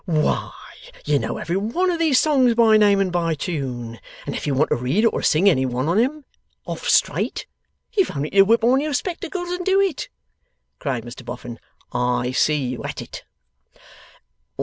'Why, you know every one of these songs by name and by tune, and if you want to read or to sing any one on 'em off straight, you've only to whip on your spectacles and do it!' cried Mr Boffin. 'I see you at it!